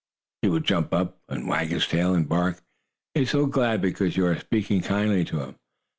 He will jump up, and wag his tail, and bark, he is so glad because you are speaking kindly to him.